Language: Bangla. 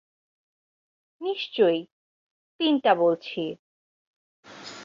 নিশ্চয়ই, তিনটা বলছি।